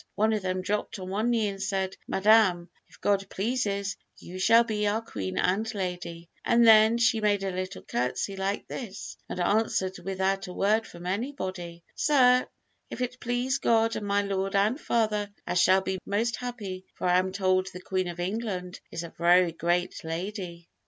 One of them dropped on one knee and said, 'Madame, if God pleases, you shall be our Queen and lady;' and then she made a little courtesy like this, and answered without a word from anybody, 'Sir, if it please God and my lord and father, I shall be most happy, for I am told the Queen of England is a very great lady.'"